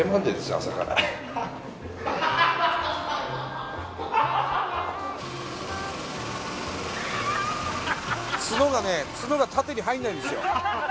朝から角がね角が縦に入んないんですよ